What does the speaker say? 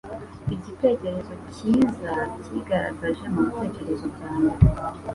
Igitekerezo cyiza cyigaragaje mubitekerezo byanjye.